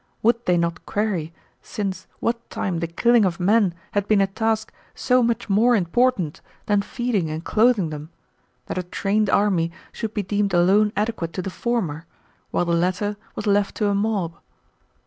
Would they not query since what time the killing of men had been a task so much more important than feeding and clothing them, that a trained army should be deemed alone adequate to the former, while the latter was left to a mob?